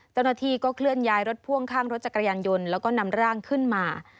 เจ้าหน้าที่ก็เคลื่อนย้ายรถพ่วงข้างรถจักรยานยนต์แล้วก็นำร่างขึ้นมา